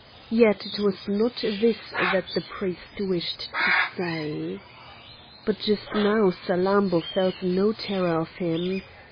Yet it was not this that the priest wished to say. But just now Salammbô felt no terror of him.